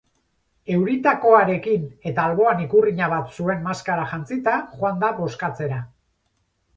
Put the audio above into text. Euritakoarekin eta alboan ikurrina bat zuen maskara jantzita joan da bozkatzera.